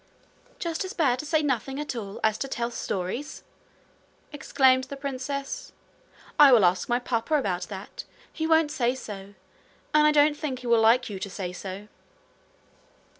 'Just as bad to say nothing at all as to tell stories?' exclaimed the princess. 'I will ask my papa about that. He won't say so. And I don't think he will like you to say so.'